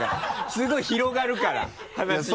すごい広がるから話が。